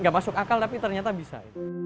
gak masuk akal tapi ternyata bisa